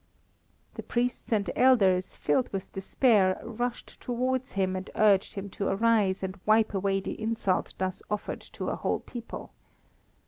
The priests and elders, filled with despair, rushed towards him and urged him to arise and wipe away the insult thus offered to a whole people.